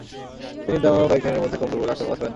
চিনির দামও কয়েক দিনের মধ্যে কমবে বলে আশা প্রকাশ করেন তিনি।